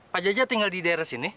pak jaja tinggal di daerah sini